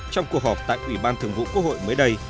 trong cuộc họp tại ủy ban thường vụ quốc hội mới đây